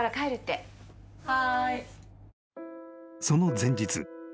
［その前日。